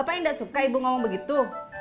bapak yang gak suka ibu ngomong begitu